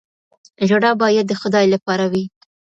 ژړا باید د خدای لپاره وي.